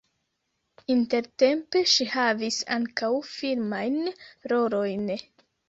Intertempe ŝi havis ankaŭ filmajn rolojn.